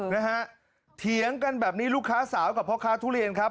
นะฮะเถียงกันแบบนี้ลูกค้าสาวกับพ่อค้าทุเรียนครับ